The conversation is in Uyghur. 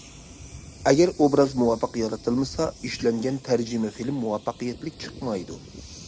ئەگەر ئوبراز مۇۋاپىق يارىتىلمىسا، ئىشلەنگەن تەرجىمە فىلىم مۇۋەپپەقىيەتلىك چىقمايدۇ.